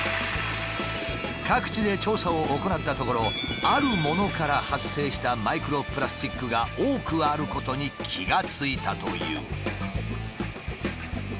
各地で調査を行ったところあるものから発生したマイクロプラスチックが多くあることに気が付いたという。